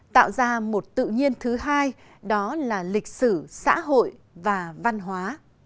tạo ra một tự nhiên thứ hai đó là lịch sử xã hội và văn hóa